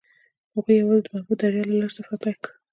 هغوی یوځای د محبوب دریا له لارې سفر پیل کړ.